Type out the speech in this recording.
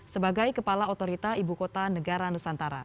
sebagai kepala otorita ibu kota negara nusantara